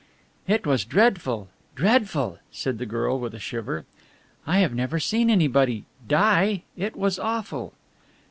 "It was dreadful, dreadful," said the girl with a shiver. "I have never seen anybody die. It was awful."